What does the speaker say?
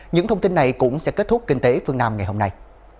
những thông tin này cũng sẽ kết thúc kinh tế phương nam ngày hôm nay